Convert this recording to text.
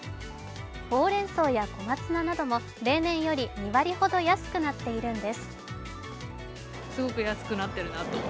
ほうれんそうや小松菜なども例年より２割ほど安くなっているんです。